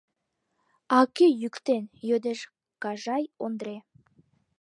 — А кӧ йӱктен? — йодеш Кажай Ондре.